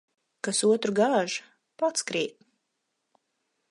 Kas otru gāž, pats krīt.